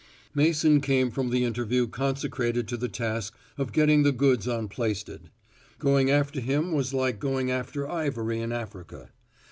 Mason came from the interview consecrated to the task of getting the goods on Plaisted. Going after him was like going after ivory in Africa.